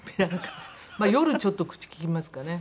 夜ちょっと口利きますかね。